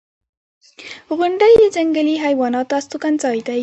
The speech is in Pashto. • غونډۍ د ځنګلي حیواناتو استوګنځای دی.